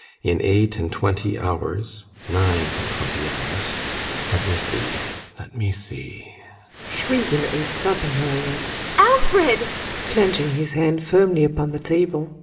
In eight and twenty hours nine and twenty hours Let me see ! Let me see ! ASTA. [Shrieking and stopping her ears.] Alfred! ALLMERS. [Clenching his hand firmly upon the table.